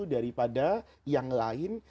daripada yang lain